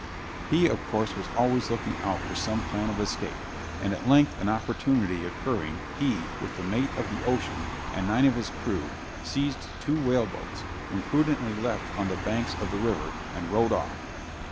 He of course, was always looking out for some plan of escape, and at length an opportunity occurring, he, with the mate of the Ocean, and nine of his crew, seized two whale boats, imprudently left on the banks of the river, and rowed off.